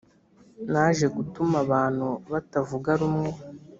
naje gutuma abantu batavuga rumwe